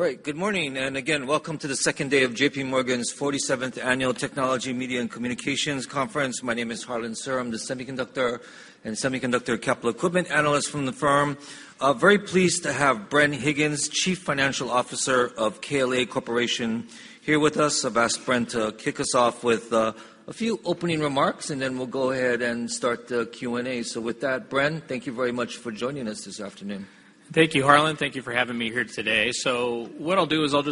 All right. Again, welcome to the second day of J.P. Morgan's 47th Annual Technology, Media, and Communications Conference. My name is Harlan Sur. I'm the semiconductor and semiconductor capital equipment analyst from the firm. Very pleased to have Bren Higgins, Chief Financial Officer of KLA Corporation, here with us. I've asked Bren to kick us off with a few opening remarks. Then we'll go ahead and start the Q&A. With that, Bren, thank you very much for joining us this afternoon. Thank you, Harlan. Thank you for having me here today. What I'll do is I'll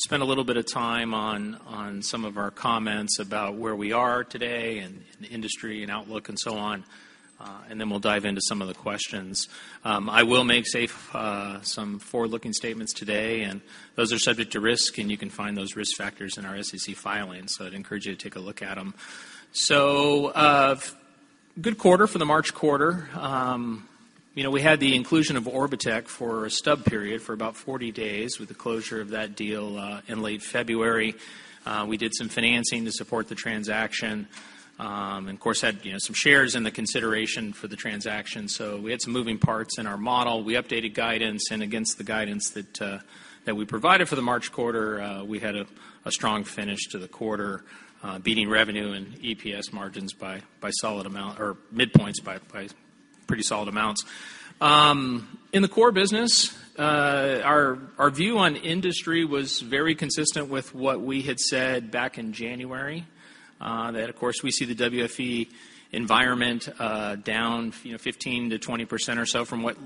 spend a little bit of time on some of our comments about where we are today and the industry and outlook and so on. Then we'll dive into some of the questions. I will make some forward-looking statements today. Those are subject to risk. You can find those risk factors in our SEC filings. I'd encourage you to take a look at them. A good quarter for the March quarter. We had the inclusion of Orbotech for a stub period for about 40 days with the closure of that deal in late February. We did some financing to support the transaction, and of course, had some shares in the consideration for the transaction. We had some moving parts in our model. We updated guidance. Against the guidance that we provided for the March quarter, we had a strong finish to the quarter, beating revenue and EPS margins by solid amount, or midpoints by pretty solid amounts. In the core business, our view on industry was very consistent with what we had said back in January, that of course, we see the WFE environment down 15%-20% or so from what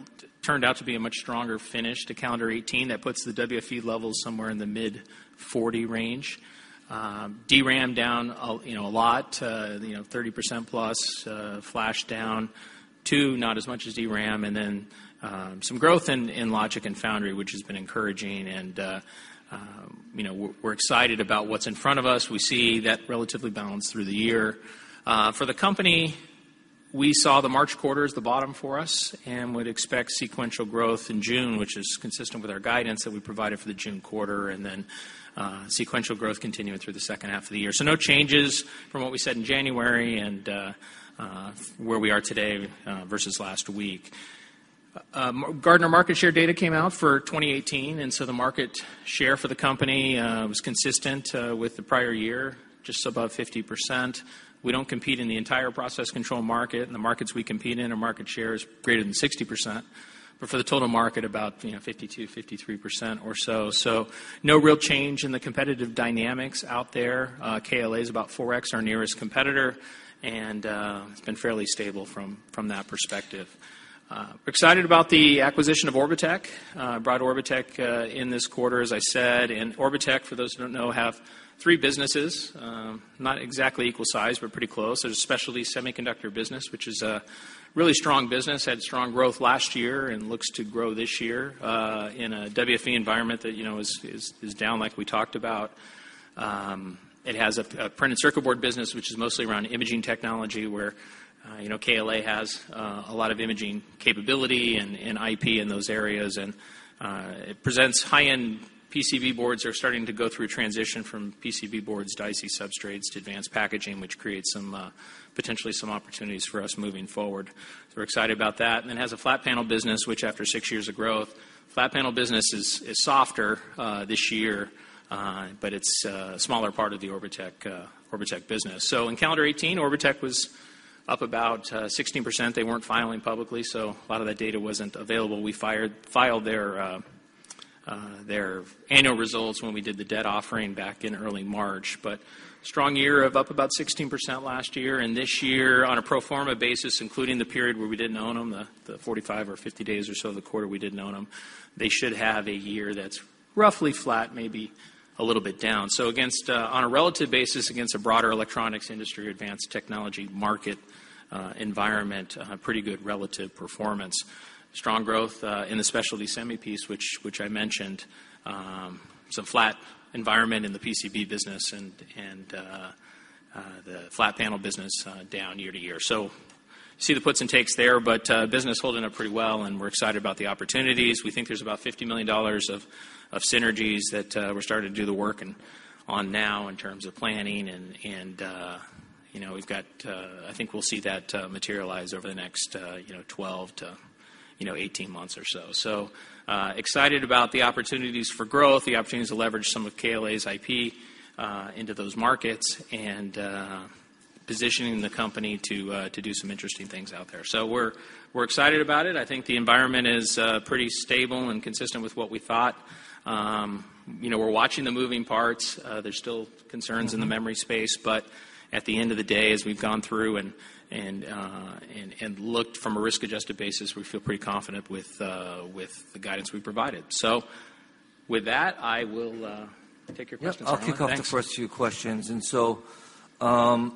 turned out to be a much stronger finish to calendar 2018. That puts the WFE levels somewhere in the mid-$40 range. DRAM down a lot, 30%+, flash down too, not as much as DRAM. Some growth in logic and foundry, which has been encouraging. We're excited about what's in front of us. We see that relatively balanced through the year. For the company, we saw the March quarter as the bottom for us and would expect sequential growth in June, which is consistent with our guidance that we provided for the June quarter. Sequential growth continuing through the second half of the year. No changes from what we said in January and where we are today versus last week. Gartner market share data came out for 2018. The market share for the company was consistent with the prior year, just above 50%. We don't compete in the entire process control market. In the markets we compete in, our market share is greater than 60%, but for the total market, about 52%-53% or so. No real change in the competitive dynamics out there. KLA is about 4x our nearest competitor. It's been fairly stable from that perspective. Excited about the acquisition of Orbotech. Brought Orbotech in this quarter, as I said. Orbotech, for those who don't know, have three businesses. Not exactly equal size, pretty close. There's a specialty semiconductor business, which is a really strong business, had strong growth last year and looks to grow this year in a WFE environment that is down like we talked about. It has a printed circuit board business, which is mostly around imaging technology, where KLA has a lot of imaging capability and IP in those areas. It presents high-end PCB boards are starting to go through transition from PCB boards, IC substrates to advanced packaging, which creates potentially some opportunities for us moving forward. We're excited about that. It has a flat panel business, which after 6 years of growth, flat panel business is softer this year, but it's a smaller part of the Orbotech business. In calendar 2018, Orbotech was up about 16%. They weren't filing publicly, a lot of that data wasn't available. We filed their annual results when we did the debt offering back in early March. Strong year of up about 16% last year, this year, on a pro forma basis, including the period where we didn't own them, the 45 or 50 days or so of the quarter we didn't own them, they should have a year that's roughly flat, maybe a little bit down. On a relative basis against a broader electronics industry, advanced technology market environment, a pretty good relative performance. Strong growth in the specialty semi piece, which I mentioned. Some flat environment in the PCB business, the flat panel business down year-to-year. See the puts and takes there, business holding up pretty well, we're excited about the opportunities. We think there's about $50 million of synergies that we're starting to do the work on now in terms of planning. I think we'll see that materialize over the next 12-18 months or so. Excited about the opportunities for growth, the opportunities to leverage some of KLA's IP into those markets, positioning the company to do some interesting things out there. We're excited about it. I think the environment is pretty stable and consistent with what we thought. We're watching the moving parts. There's still concerns in the memory space, at the end of the day, as we've gone through and looked from a risk-adjusted basis, we feel pretty confident with the guidance we've provided. With that, I will take your questions, Harlan. Thanks. Yeah, I'll kick off the first few questions. I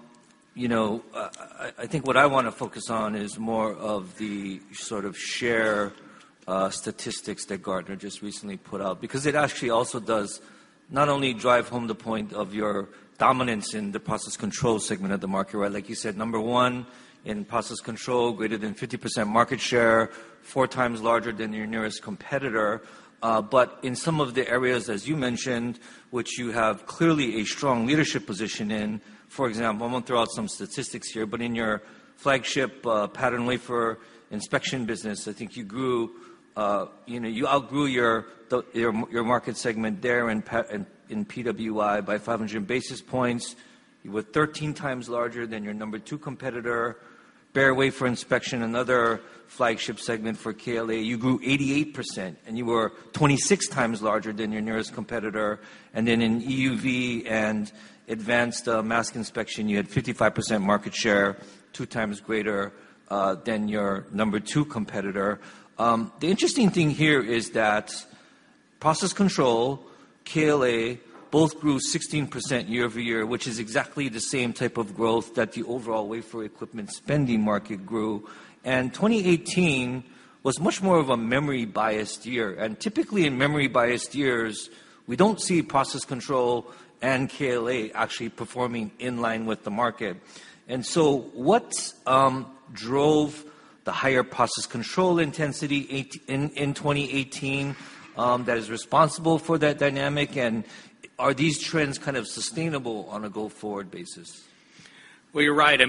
think what I want to focus on is more of the sort of share statistics that Gartner just recently put out, because it actually also does not only drive home the point of your dominance in the process control segment of the market, like you said, number 1 in process control, greater than 50% market share, four times larger than your nearest competitor. In some of the areas, as you mentioned, which you have clearly a strong leadership position in, for example, I won't throw out some statistics here, in your flagship pattern wafer inspection business, I think you outgrew your market segment there in PWI by 500 basis points. You were 13 times larger than your number 2 competitor. Bare wafer inspection, another flagship segment for KLA, you grew 88%, you were 26 times larger than your nearest competitor. In EUV and advanced mask inspection, you had 55% market share, two times greater than your number 2 competitor. The interesting thing here is that process control, KLA both grew 16% year-over-year, which is exactly the same type of growth that the overall wafer equipment spending market grew. 2018 was much more of a memory-biased year. Typically, in memory-biased years, we don't see process control and KLA actually performing in line with the market. What drove the higher process control intensity in 2018 that is responsible for that dynamic? Are these trends kind of sustainable on a go-forward basis? Well, you're right.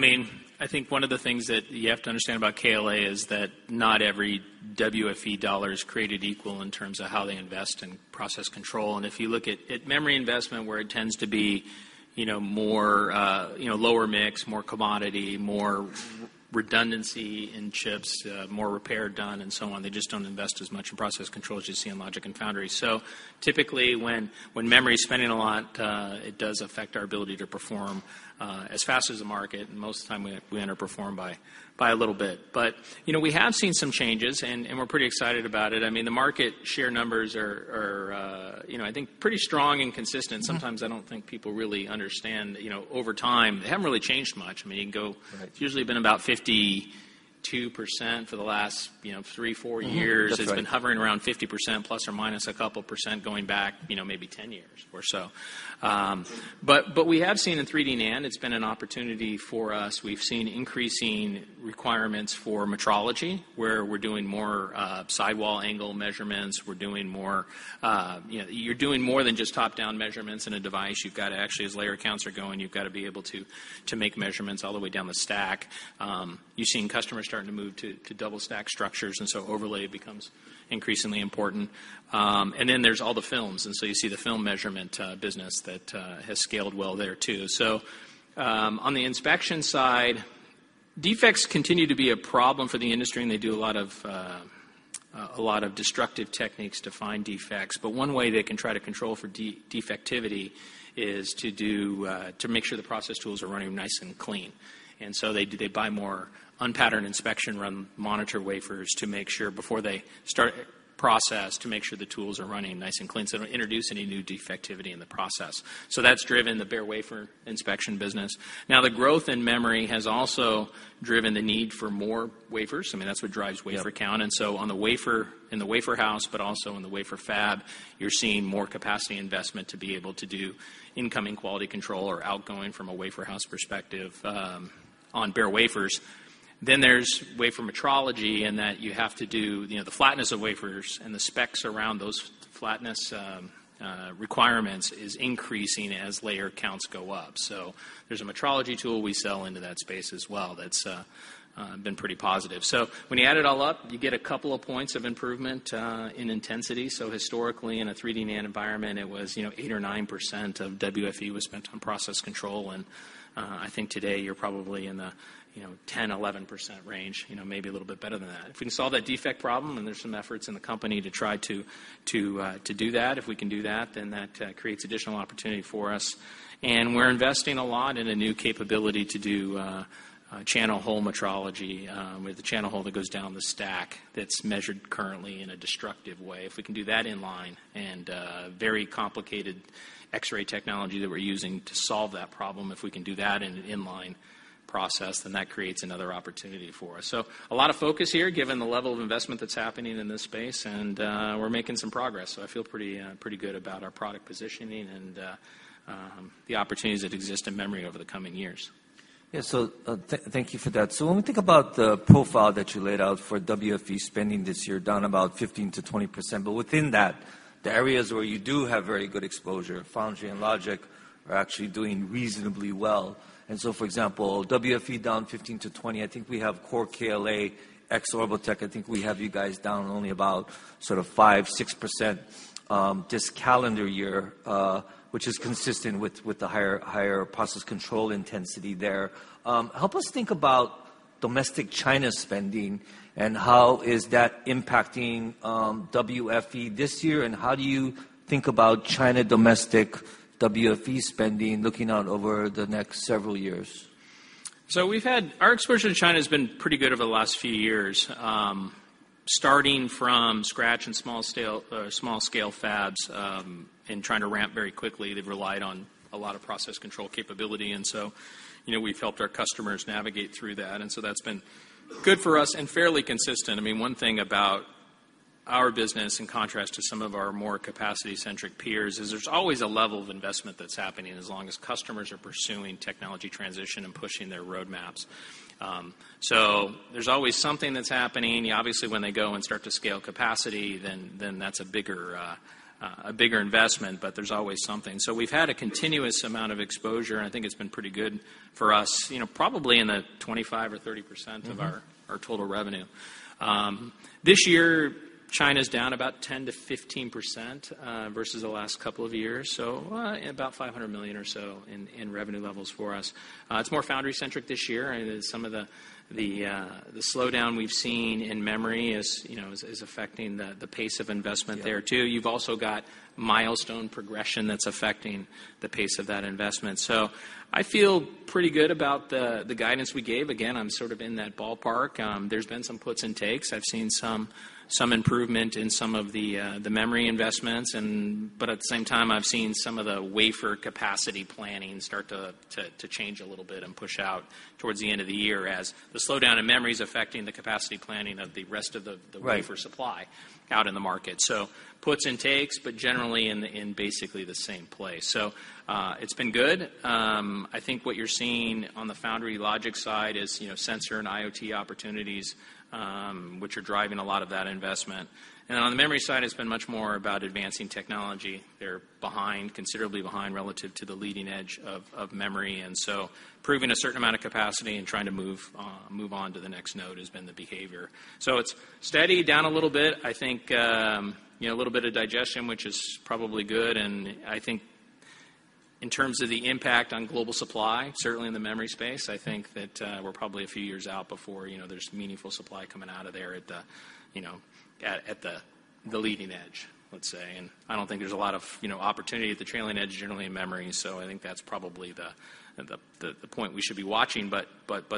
I think one of the things that you have to understand about KLA is that not every WFE dollar is created equal in terms of how they invest in process control. If you look at memory investment, where it tends to be lower mix, more commodity, more redundancy in chips, more repair done, and so on, they just don't invest as much in process control as you see in logic and foundry. Typically, when memory is spending a lot, it does affect our ability to perform as fast as the market, and most of the time we underperform by a little bit. We have seen some changes, and we're pretty excited about it. The market share numbers are, I think, pretty strong and consistent. Sometimes I don't think people really understand, over time, they haven't really changed much. Right. It's usually been about 52% for the last three, four years. That's right. It's been hovering around 50% plus or minus a couple % going back maybe 10 years or so. We have seen in 3D NAND, it's been an opportunity for us. We've seen increasing requirements for metrology, where we're doing more sidewall angle measurements. You're doing more than just top-down measurements in a device. As layer counts are going, you've got to be able to make measurements all the way down the stack. You've seen customers starting to move to double-stack structures, overlay becomes increasingly important. There's all the films, you see the film measurement business that has scaled well there, too. On the inspection side, defects continue to be a problem for the industry, and they do a lot of destructive techniques to find defects. One way they can try to control for defectivity is to make sure the process tools are running nice and clean. They buy more unpatterned inspection run monitor wafers to make sure before they start a process, to make sure the tools are running nice and clean, so they don't introduce any new defectivity in the process. That's driven the bare wafer inspection business. Now, the growth in memory has also driven the need for more wafers. That's what drives wafer count. Yep. In the wafer house, but also in the wafer fab, you're seeing more capacity investment to be able to do incoming quality control or outgoing from a wafer house perspective on bare wafers. There's wafer metrology in that you have to do the flatness of wafers, and the specs around those flatness requirements is increasing as layer counts go up. There's a metrology tool we sell into that space as well, that's been pretty positive. When you add it all up, you get a couple of points of improvement in intensity. Historically, in a 3D NAND environment, it was 8% or 9% of WFE was spent on process control, and I think today you're probably in the 10%, 11% range, maybe a little bit better than that. If we can solve that defect problem, there are some efforts in the company to try to do that. If we can do that creates additional opportunity for us. We are investing a lot in a new capability to do channel hole metrology with the channel hole that goes down the stack that is measured currently in a destructive way. If we can do that in-line and very complicated X-ray technology that we are using to solve that problem, if we can do that in an in-line process, that creates another opportunity for us. A lot of focus here, given the level of investment that is happening in this space, and we are making some progress. I feel pretty good about our product positioning and the opportunities that exist in memory over the coming years. Yeah. Thank you for that. When we think about the profile that you laid out for WFE spending this year, down about 15%-20%. Within that, the areas where you do have very good exposure, foundry and logic, are actually doing reasonably well. For example, WFE down 15%-20%, I think we have core KLA, ex-Orbotech, I think we have you guys down only about sort of 5%-6% this calendar year, which is consistent with the higher process control intensity there. Help us think about domestic China spending and how is that impacting WFE this year, and how do you think about China domestic WFE spending looking out over the next several years? Our exposure to China has been pretty good over the last few years. Starting from scratch and small scale fabs, trying to ramp very quickly, they have relied on a lot of process control capability, so we have helped our customers navigate through that. That has been good for us and fairly consistent. One thing about our business, in contrast to some of our more capacity-centric peers, is there is always a level of investment that is happening as long as customers are pursuing technology transition and pushing their roadmaps. There is always something that is happening. Obviously, when they go and start to scale capacity, that is a bigger investment. There is always something. We have had a continuous amount of exposure, and I think it has been pretty good for us, probably in the 25% or 30% of our total revenue. This year, China is down about 10%-15% versus the last couple of years, so about $500 million or so in revenue levels for us. It is more foundry-centric this year. Some of the slowdown we have seen in memory is affecting the pace of investment there too. You have also got milestone progression that is affecting the pace of that investment. I feel pretty good about the guidance we gave. Again, I am sort of in that ballpark. There has been some puts and takes. I have seen some improvement in some of the memory investments, at the same time, I have seen some of the wafer capacity planning start to change a little bit and push out towards the end of the year as the slowdown in memory is affecting the capacity planning of the rest of the- Right wafer supply out in the market. Puts and takes, but generally in basically the same place. It's been good. I think what you're seeing on the foundry logic side is sensor and IoT opportunities, which are driving a lot of that investment. On the memory side, it's been much more about advancing technology. They're considerably behind relative to the leading edge of memory, and proving a certain amount of capacity and trying to move on to the next node has been the behavior. It's steady, down a little bit. I think a little bit of digestion, which is probably good, and I think in terms of the impact on global supply, certainly in the memory space, I think that we're probably a few years out before there's meaningful supply coming out of there at the leading edge, let's say. I don't think there's a lot of opportunity at the trailing edge generally in memory. I think that's probably the point we should be watching, but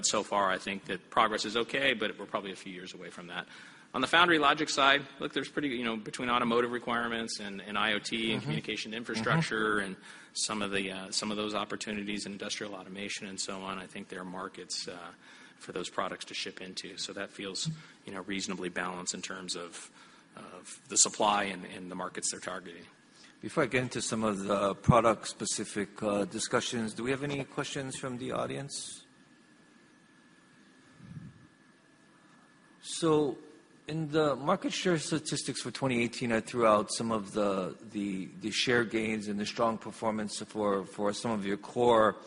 so far, I think that progress is okay, but we're probably a few years away from that. On the foundry logic side, look, between automotive requirements and IoT and communication infrastructure and some of those opportunities in industrial automation and so on, I think there are markets for those products to ship into. That feels reasonably balanced in terms of the supply and the markets they're targeting. Before I get into some of the product-specific discussions, do we have any questions from the audience? In the market share statistics for 2018, I threw out some of the share gains and the strong performance for some of your core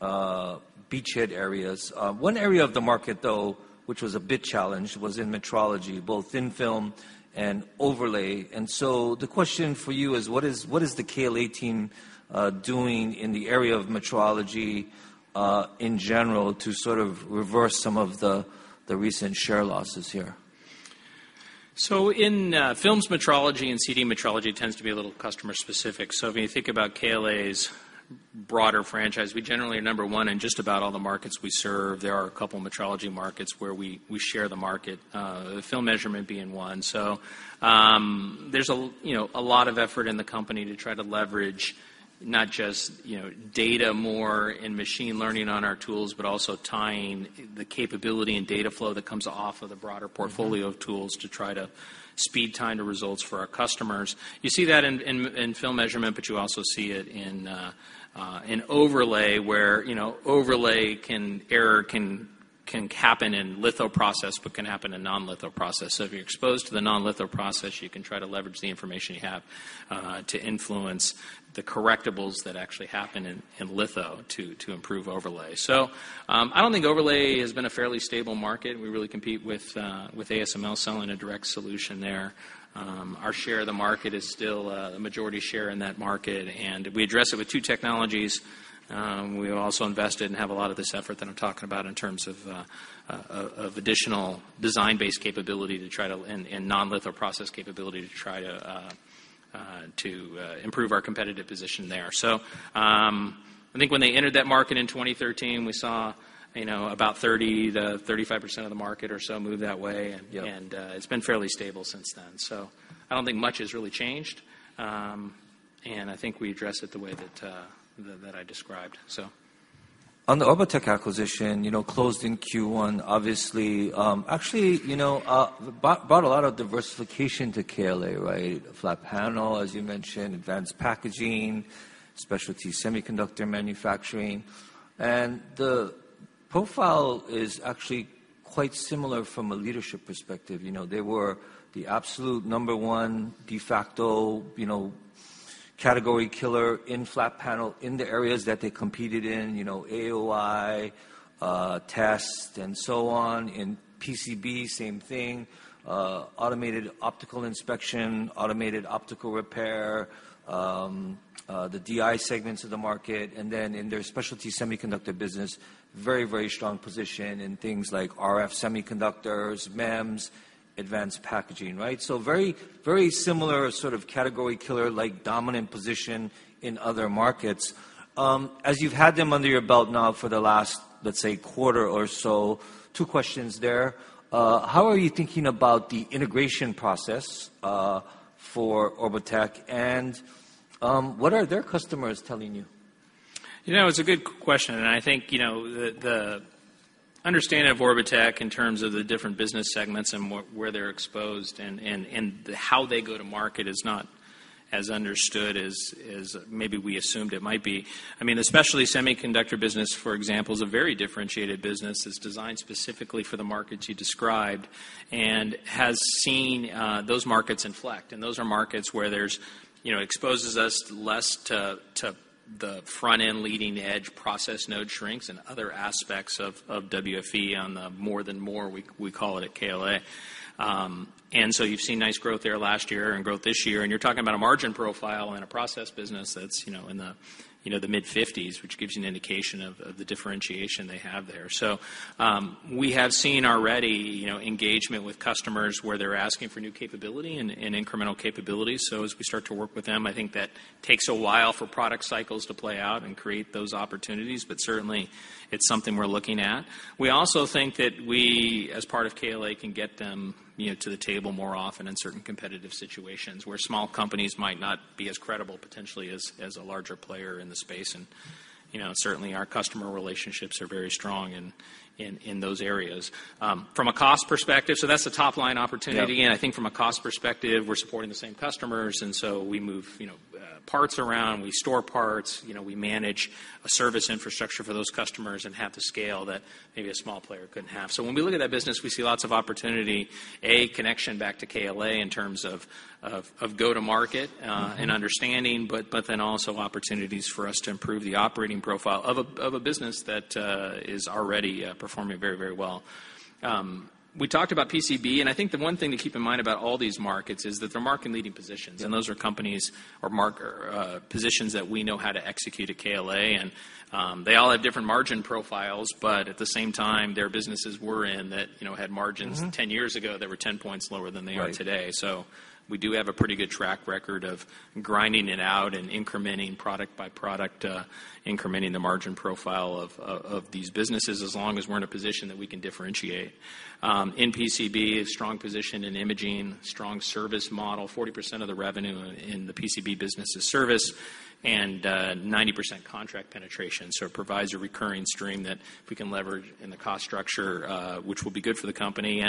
beachhead areas. One area of the market, though, which was a bit challenged, was in metrology, both thin film and overlay. The question for you is, what is the KLA team doing in the area of metrology in general to sort of reverse some of the recent share losses here? In films metrology and CD metrology, it tends to be a little customer specific. When you think about KLA's broader franchise, we generally are number one in just about all the markets we serve. There are a couple of metrology markets where we share the market, film measurement being one. There's a lot of effort in the company to try to leverage not just data more and machine learning on our tools, but also tying the capability and data flow that comes off of the broader portfolio of tools to try to speed time to results for our customers. You see that in film measurement, but you also see it in overlay, where overlay error can happen in litho process, but can happen in non-litho process. If you're exposed to the non-litho process, you can try to leverage the information you have to influence the correctables that actually happen in litho to improve overlay. I don't think overlay has been a fairly stable market. We really compete with ASML selling a direct solution there. Our share of the market is still a majority share in that market, and we address it with two technologies. We also invested and have a lot of this effort that I'm talking about in terms of additional design-based capability and non-litho process capability to try to improve our competitive position there. I think when they entered that market in 2013, we saw about 30%-35% of the market or so move that way. Yep. It's been fairly stable since then. I don't think much has really changed. I think we address it the way that I described. On the Orbotech acquisition, closed in Q1, obviously, actually brought a lot of diversification to KLA, right? Flat panel, as you mentioned, advanced packaging, specialty semiconductor manufacturing. The profile is actually quite similar from a leadership perspective. They were the absolute number 1 de facto category killer in flat panel in the areas that they competed in, AOI, test, and so on. In PCB, same thing, automated optical inspection, automated optical repair, the DI segments of the market. Then in their specialty semiconductor business, very strong position in things like RF semiconductors, MEMS, advanced packaging, right? Very similar sort of category killer, like dominant position in other markets. As you've had them under your belt now for the last, let's say, quarter or so, two questions there. How are you thinking about the integration process for Orbotech? What are their customers telling you? It's a good question, I think, the understanding of Orbotech in terms of the different business segments and where they're exposed and how they go to market is not as understood as maybe we assumed it might be. Especially semiconductor business, for example, is a very differentiated business that's designed specifically for the markets you described and has seen those markets inflect. Those are markets where Exposes us less to the front-end leading-edge process node shrinks and other aspects of WFE on the More than Moore, we call it at KLA. You've seen nice growth there last year and growth this year, and you're talking about a margin profile in a process business that's in the mid-50s, which gives you an indication of the differentiation they have there. We have seen already engagement with customers where they're asking for new capability and incremental capabilities. As we start to work with them, I think that takes a while for product cycles to play out and create those opportunities, but certainly it's something we're looking at. We also think that we, as part of KLA, can get them to the table more often in certain competitive situations where small companies might not be as credible, potentially, as a larger player in the space, and certainly our customer relationships are very strong in those areas. From a cost perspective, that's the top-line opportunity. Yeah. I think from a cost perspective, we're supporting the same customers, we move parts around, we store parts, we manage a service infrastructure for those customers and have the scale that maybe a small player couldn't have. When we look at that business, we see lots of opportunity, a connection back to KLA in terms of go-to-market. Understanding, also opportunities for us to improve the operating profile of a business that is already performing very well. We talked about PCB, I think the one thing to keep in mind about all these markets is that they're market-leading positions. Yeah. Those are companies or positions that we know how to execute at KLA, they all have different margin profiles, but at the same time, their businesses we're in that had margins. 10 years ago that were 10 points lower than they are today. Right. We do have a pretty good track record of grinding it out and incrementing product by product, incrementing the margin profile of these businesses, as long as we're in a position that we can differentiate. In PCB, a strong position in imaging, strong service model, 40% of the revenue in the PCB business is service, 90% contract penetration. It provides a recurring stream that we can leverage in the cost structure, which will be good for the company.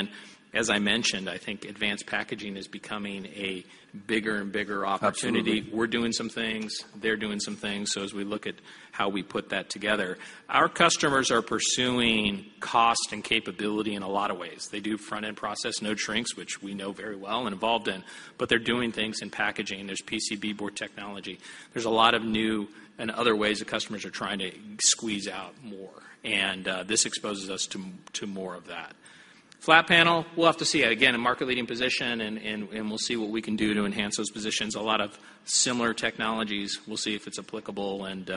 As I mentioned, I think advanced packaging is becoming a bigger and bigger opportunity. Absolutely. We're doing some things, they're doing some things, as we look at how we put that together. Our customers are pursuing cost and capability in a lot of ways. They do front-end process node shrinks, which we know very well and involved in, they're doing things in packaging. There's PCB board technology. There's a lot of new and other ways that customers are trying to squeeze out more, this exposes us to more of that. Flat panel, we'll have to see. Again, a market-leading position, we'll see what we can do to enhance those positions. A lot of similar technologies. We'll see if it's applicable and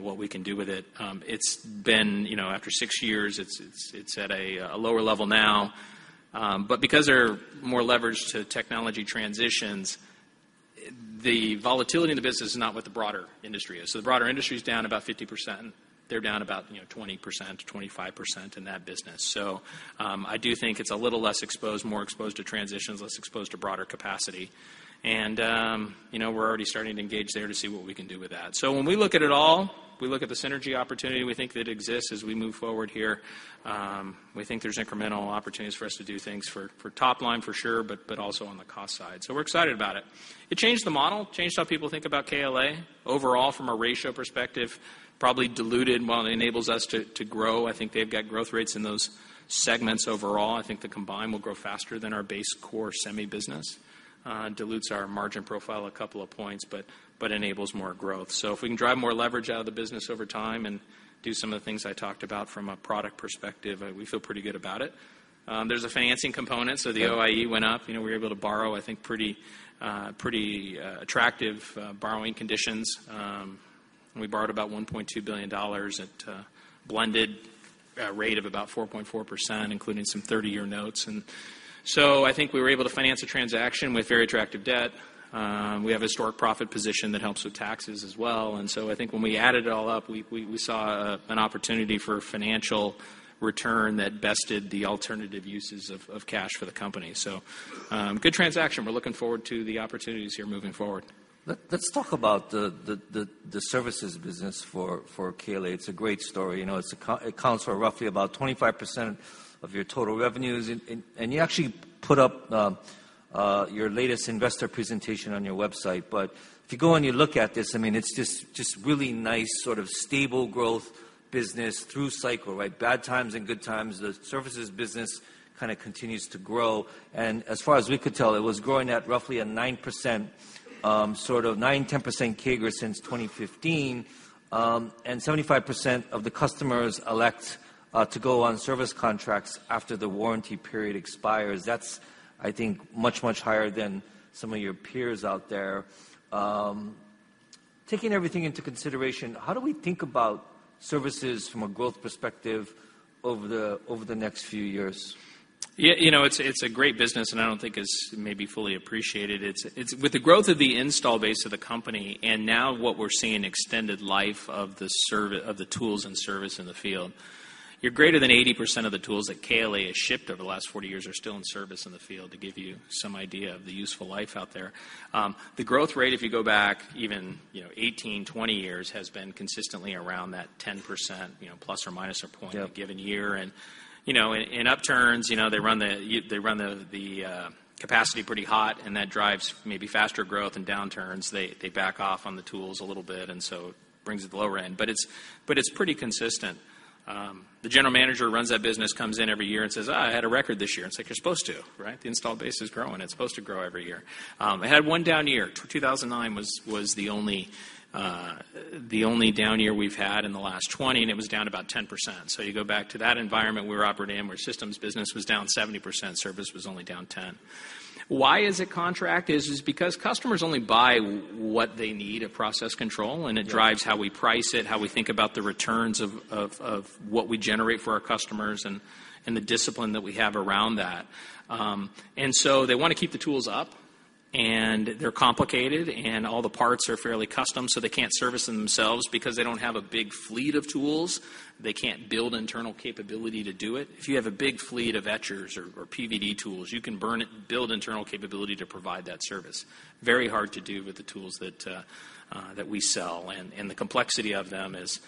what we can do with it. After six years, it's at a lower level now. Because they're more leveraged to technology transitions, the volatility in the business is not what the broader industry is. The broader industry is down about 50%, they're down about 20%-25% in that business. I do think it's a little less exposed, more exposed to transitions, less exposed to broader capacity. We're already starting to engage there to see what we can do with that. When we look at it all, we look at the synergy opportunity we think that exists as we move forward here. We think there's incremental opportunities for us to do things for top line for sure, also on the cost side. We're excited about it. It changed the model, changed how people think about KLA. Overall, from a ratio perspective, probably diluted, while it enables us to grow, I think they've got growth rates in those segments. Overall, I think the combined will grow faster than our base core semi business. Dilutes our margin profile a couple of points, but enables more growth. If we can drive more leverage out of the business over time and do some of the things I talked about from a product perspective, we feel pretty good about it. There's a financing component, so the OIE went up. We were able to borrow, I think, pretty attractive borrowing conditions. We borrowed about $1.2 billion at a blended rate of about 4.4%, including some 30-year notes. I think we were able to finance a transaction with very attractive debt. We have historic profit position that helps with taxes as well. I think when we added it all up, we saw an opportunity for financial return that bested the alternative uses of cash for the company. Good transaction. We're looking forward to the opportunities here moving forward. Let's talk about the services business for KLA. It's a great story. It accounts for roughly about 25% of your total revenues. You actually put up your latest investor presentation on your website. If you go and you look at this, it's just really nice, sort of stable growth business through cycle, right? Bad times and good times, the services business kind of continues to grow. As far as we could tell, it was growing at roughly a 9%, sort of 9%-10% CAGR since 2015. 75% of the customers elect to go on service contracts after the warranty period expires. That's, I think, much, much higher than some of your peers out there. Taking everything into consideration, how do we think about services from a growth perspective over the next few years? It's a great business, and I don't think it's maybe fully appreciated. With the growth of the install base of the company and now what we're seeing extended life of the tools and service in the field. Greater than 80% of the tools that KLA has shipped over the last 40 years are still in service in the field, to give you some idea of the useful life out there. The growth rate, if you go back even 18-20 years, has been consistently around that 10%, plus or minus a point a given year. In upturns, they run the capacity pretty hot, and that drives maybe faster growth. In downturns, they back off on the tools a little bit, and so it brings the lower end. It's pretty consistent. The general manager who runs that business comes in every year and says, "I had a record this year." It's like, "You're supposed to," right? The install base is growing. It's supposed to grow every year. It had one down year. 2009 was the only down year we've had in the last 20, and it was down about 10%. You go back to that environment we were operating in, where systems business was down 70%, service was only down 10%. Why is it contract? Is because customers only buy what they need at process control, and it drives how we price it, how we think about the returns of what we generate for our customers and the discipline that we have around that. They want to keep the tools up, and they're complicated, and all the parts are fairly custom, so they can't service them themselves. Because they don't have a big fleet of tools, they can't build internal capability to do it. If you have a big fleet of etchers or PVD tools, you can build internal capability to provide that service. Very hard to do with the tools that we sell, and the complexity of them is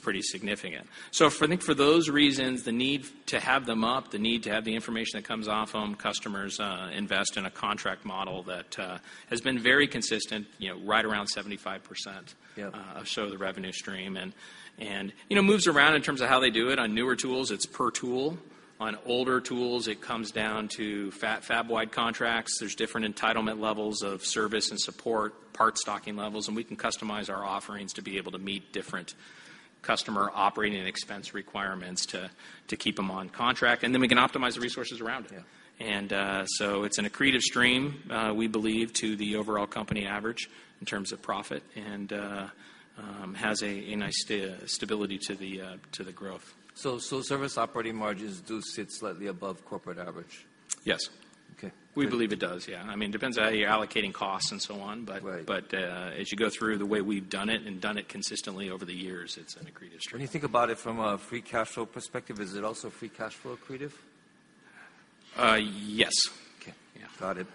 pretty significant. I think for those reasons, the need to have them up, the need to have the information that comes off them, customers invest in a contract model that has been very consistent, right around 75%. Yep of show the revenue stream and moves around in terms of how they do it. On newer tools, it's per tool. On older tools, it comes down to fab-wide contracts. There's different entitlement levels of service and support, part stocking levels, and we can customize our offerings to be able to meet different customer operating and expense requirements to keep them on contract, and then we can optimize the resources around it. Yeah. It's an accretive stream, we believe, to the overall company average in terms of profit, and has a nice stability to the growth. Service operating margins do sit slightly above corporate average? Yes. Okay. We believe it does, yeah. Depends on how you're allocating costs and so on. Right. As you go through the way we've done it and done it consistently over the years, it's an accretive stream. When you think about it from a free cash flow perspective, is it also free cash flow accretive? Yes. Okay. Yeah. Got it.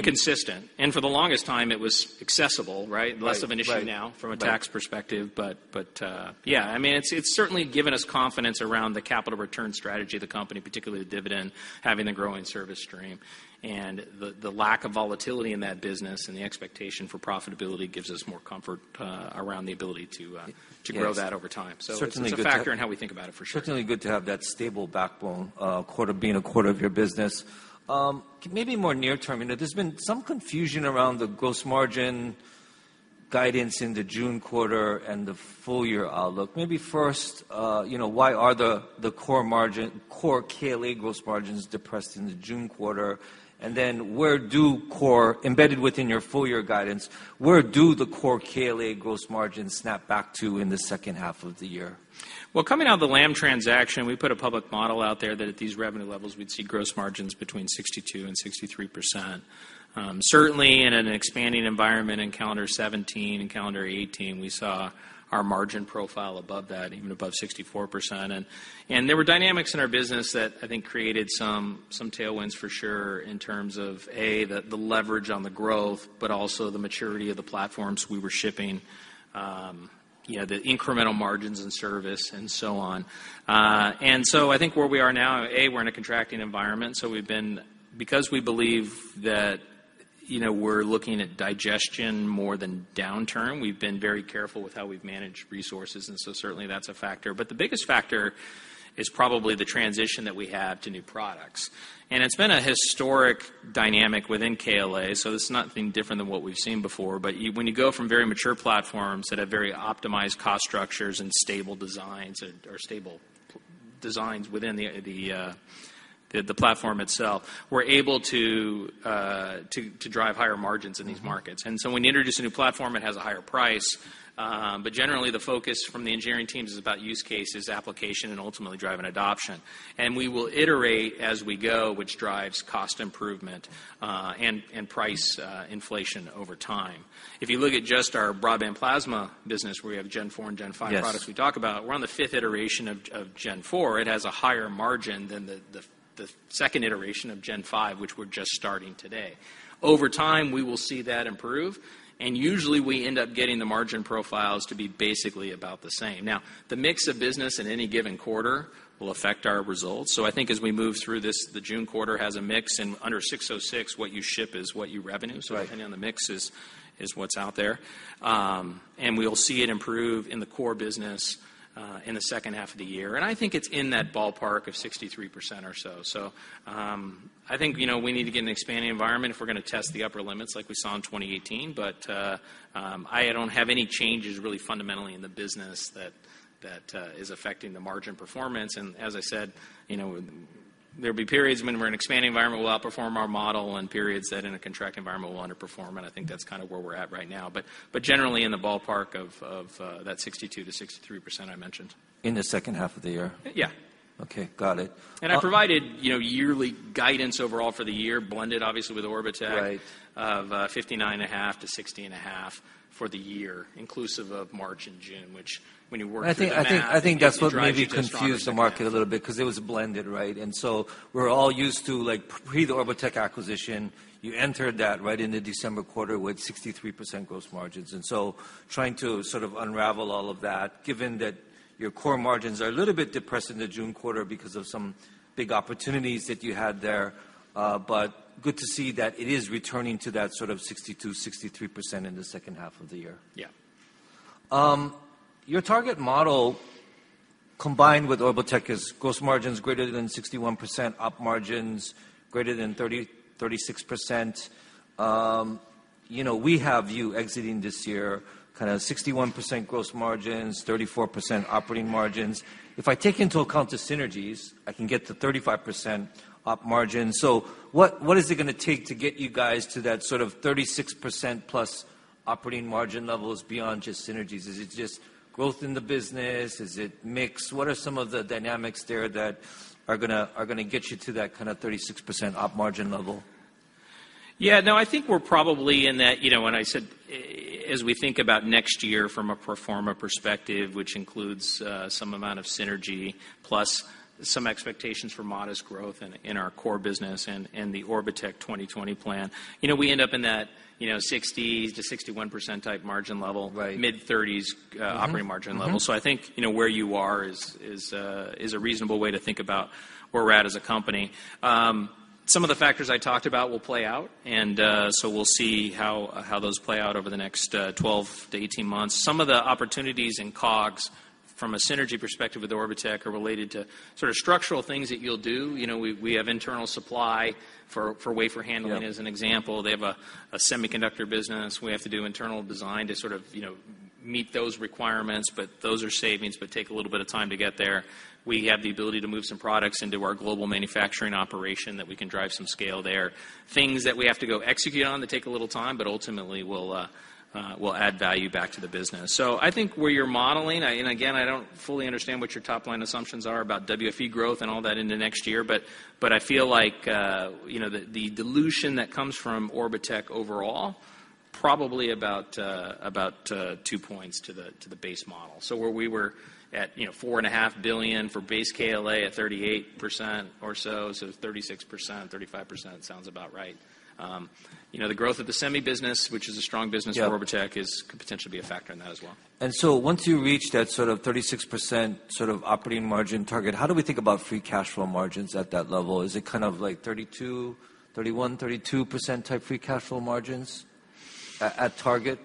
Consistent. For the longest time, it was accessible, right? Right. Less of an issue now. Right From a tax perspective. Yeah. It's certainly given us confidence around the capital return strategy of the company, particularly the dividend, having the growing service stream. The lack of volatility in that business and the expectation for profitability gives us more comfort around the ability to grow that over time. It's a factor in how we think about it, for sure. Certainly good to have that stable backbone being a quarter of your business. Maybe more near term, there's been some confusion around the gross margin guidance in the June quarter and the full-year outlook. Maybe first, why are the core KLA gross margins depressed in the June quarter? Then, embedded within your full-year guidance, where do the core KLA gross margins snap back to in the second half of the year? Well, coming out of the Lam transaction, we put a public model out there that at these revenue levels, we would see gross margins between 62%-63%. Certainly, in an expanding environment in calendar 2017 and calendar 2018, we saw our margin profile above that, even above 64%. There were dynamics in our business that I think created some tailwinds for sure in terms of, A, the leverage on the growth, but also the maturity of the platforms we were shipping, the incremental margins in service, and so on. I think where we are now, A, we're in a contracting environment. Because we believe that we're looking at digestion more than downturn, we've been very careful with how we've managed resources, and certainly that's a factor. The biggest factor is probably the transition that we have to new products. It's been a historic dynamic within KLA. This is nothing different than what we've seen before. When you go from very mature platforms that have very optimized cost structures and stable designs or stable designs within the platform itself, we're able to drive higher margins in these markets. When you introduce a new platform, it has a higher price. Generally, the focus from the engineering teams is about use cases, application, and ultimately driving adoption. We will iterate as we go, which drives cost improvement and price inflation over time. If you look at just our broadband plasma business, where we have Gen 4 and Gen 5 products we talk about. Yes We're on the fifth iteration of Gen 4. It has a higher margin than the second iteration of Gen 5, which we're just starting today. Over time, we will see that improve, and usually, we end up getting the margin profiles to be basically about the same. Now, the mix of business in any given quarter will affect our results. I think as we move through this, the June quarter has a mix, and under 606, what you ship is what you revenue. Right. Depending on the mix is what's out there. We'll see it improve in the core business in the second half of the year. I think it's in that ballpark of 63% or so. I think we need to get an expanding environment if we're going to test the upper limits like we saw in 2018. I don't have any changes really fundamentally in the business that is affecting the margin performance. As I said, there'll be periods when we're in an expanding environment, we'll outperform our model, and periods that in a contract environment, we'll underperform, and I think that's kind of where we're at right now. Generally, in the ballpark of that 62%-63% I mentioned. In the second half of the year? Yeah. Okay, got it. I provided yearly guidance overall for the year, blended obviously with Orbotech. Right of 59.5%-60.5% for the year, inclusive of March and June, which when you work through the math- I think that's what maybe confused the market a little bit because it was blended, right? We're all used to pre-Orbotech acquisition, you entered that right into December quarter with 63% gross margins. Trying to sort of unravel all of that, given that your core margins are a little bit depressed in the June quarter because of some big opportunities that you had there. Good to see that it is returning to that sort of 62%-63% in the second half of the year. Yeah. Your target model combined with Orbotech is gross margins greater than 61%, op margins greater than 36%. We have you exiting this year kind of 61% gross margins, 34% operating margins. If I take into account the synergies, I can get to 35% op margin. What is it going to take to get you guys to that sort of 36%+ operating margin levels beyond just synergies? Is it just growth in the business? Is it mix? What are some of the dynamics there that are going to get you to that kind of 36% op margin level? Yeah, no, I think we're probably in that, when I said, as we think about next year from a pro forma perspective, which includes some amount of synergy plus some expectations for modest growth in our core business and the Orbotech 2020 plan. We end up in that 60%-61% type margin level- Right mid 30s operating margin level. I think, where you are is a reasonable way to think about where we're at as a company. Some of the factors I talked about will play out, we'll see how those play out over the next 12-18 months. Some of the opportunities in COGS from a synergy perspective with Orbotech are related to sort of structural things that you'll do. We have internal supply for wafer handling- Yep as an example. They have a semiconductor business. We have to do internal design to sort of meet those requirements, those are savings, but take a little bit of time to get there. We have the ability to move some products into our global manufacturing operation that we can drive some scale there. Things that we have to go execute on that take a little time, but ultimately will add value back to the business. I think where you're modeling, and again, I don't fully understand what your top-line assumptions are about WFE growth and all that into next year, but I feel like the dilution that comes from Orbotech overall, probably about two points to the base model. Where we were at four and a half billion for base KLA at 38% or so. 36%, 35% sounds about right. The growth of the semi business, which is a strong business- Yeah for Orbotech could potentially be a factor in that as well. Once you reach that sort of 36% sort of operating margin target, how do we think about free cash flow margins at that level? Is it kind of like 32%, 31%, 32% type free cash flow margins at target?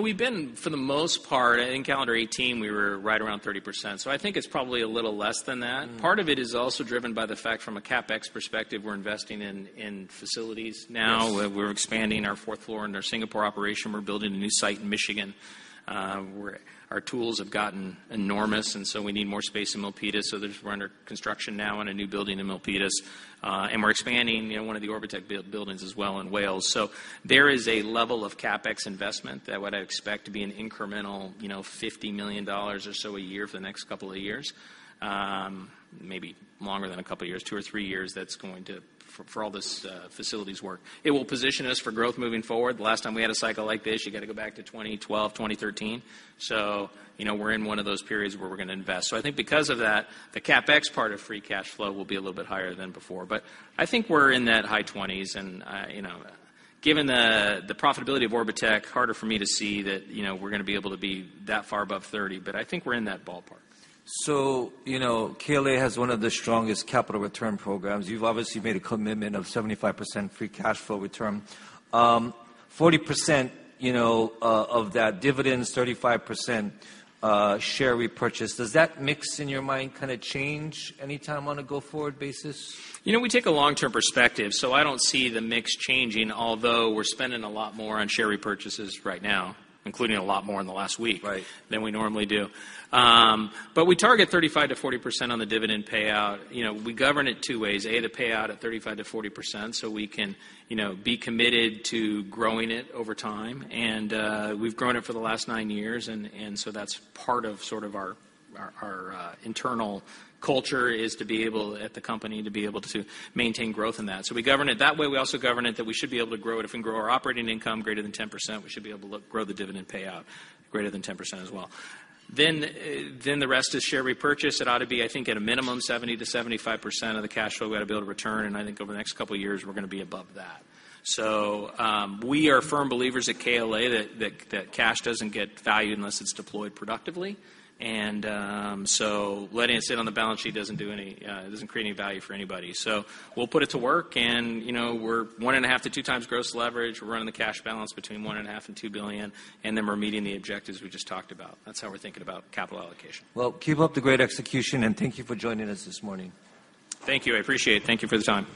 We've been, for the most part, in calendar 2018, we were right around 30%. I think it's probably a little less than that. Part of it is also driven by the fact, from a CapEx perspective, we're investing in facilities now. Yes. We're expanding our fourth floor in our Singapore operation. We're building a new site in Michigan. Our tools have gotten enormous. We need more space in Milpitas. We're under construction now in a new building in Milpitas. We're expanding one of the Orbotech buildings as well in Wales. There is a level of CapEx investment that would expect to be an incremental $50 million or so a year for the next couple of years. Maybe longer than a couple years, two or three years, for all this facilities work. It will position us for growth moving forward. The last time we had a cycle like this, you got to go back to 2012, 2013. We're in one of those periods where we're going to invest. I think because of that, the CapEx part of free cash flow will be a little bit higher than before. I think we're in that high 20s, and given the profitability of Orbotech, harder for me to see that we're going to be able to be that far above 30. I think we're in that ballpark. KLA has one of the strongest capital return programs. You've obviously made a commitment of 75% free cash flow return. 40% of that dividends, 35% share repurchase. Does that mix in your mind kind of change any time on a go forward basis? We take a long-term perspective, so I don't see the mix changing, although we're spending a lot more on share repurchases right now, including a lot more in the last week. Right than we normally do. We target 35%-40% on the dividend payout. We govern it two ways. A, to pay out at 35%-40% so we can be committed to growing it over time, and we've grown it for the last nine years, that's part of sort of our internal culture is to be able, at the company, to be able to maintain growth in that. We govern it that way. We also govern it that we should be able to grow it. If we can grow our operating income greater than 10%, we should be able to grow the dividend payout greater than 10% as well. The rest is share repurchase. It ought to be, I think at a minimum, 70%-75% of the cash flow we ought to be able to return, and I think over the next couple of years we're going to be above that. We are firm believers at KLA that cash doesn't get valued unless it's deployed productively. Letting it sit on the balance sheet doesn't create any value for anybody. We'll put it to work, and we're 1.5 to 2 times gross leverage. We're running the cash balance between $1.5 billion and $2 billion, we're meeting the objectives we just talked about. That's how we're thinking about capital allocation. Well, keep up the great execution, thank you for joining us this morning. Thank you, I appreciate it. Thank you for the time.